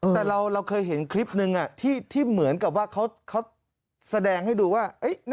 แต่เราเคยเห็นคลิปนึงที่เหมือนกับว่าเขาแสดงให้ดูว่า